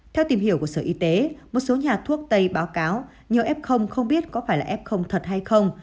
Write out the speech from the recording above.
theo tìm hiểu của sở y tế một số nhà thuốc tây báo cáo nhờ f không biết có phải là f thật hay không